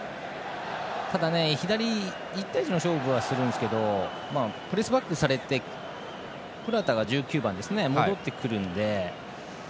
ただ、左で１対１の勝負はするんですけどプレスバックされてプラタ１９番ですね、戻ってくるので。